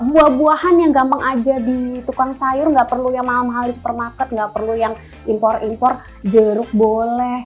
buah buahan yang gampang aja di tukang sayur nggak perlu yang mahal mahal di supermarket nggak perlu yang impor impor jeruk boleh